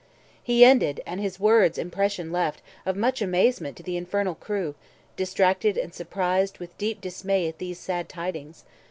He ended, and his words impression left Of much amazement to the infernal crew, Distracted and surprised with deep dismay At these sad tidings.